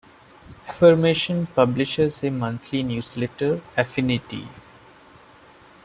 Affirmation publishes a monthly newsletter, "Affinity".